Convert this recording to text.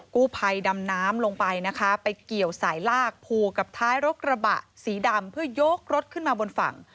กู้ภัยดำน้ำลงไปนะคะไปเกี่ยวสายลากผูกกับท้ายรถกระบะสีดำเพื่อยกรถขึ้นมาบนฝั่ง